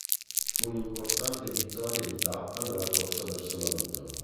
Fu un importante vittoria di tappa nella corsa verso la Luna.